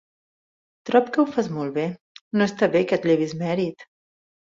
Trob que ho fas molt bé, no està bé que et llevis mèrit.